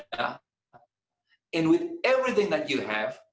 dan dengan segala galanya yang anda miliki